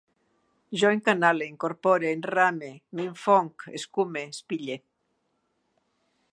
Jo encanale, incorpore, enrame, m'infonc, escume, espille